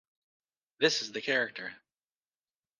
This is the character!